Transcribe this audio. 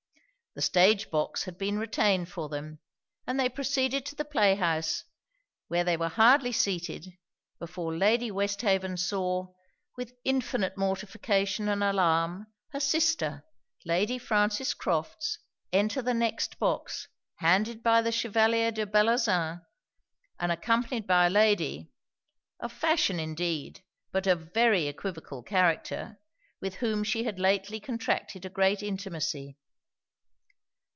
The stage box had been retained for them; and they proceeded to the playhouse, where they were hardly seated, before Lady Westhaven saw, with infinite mortification and alarm, her sister, Lady Frances Crofts, enter the next box, handed by the Chevalier de Bellozane, and accompanied by a lady, of fashion indeed, but of very equivocal character, with whom she had lately contracted a great intimacy.